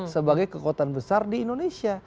sebagai kekuatan besar di indonesia